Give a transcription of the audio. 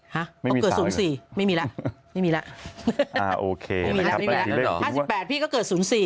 ฮะเกิด๐๔ไม่มีแล้วไม่มีแล้วไม่มีแล้ว๕๘พี่ก็เกิด๐๔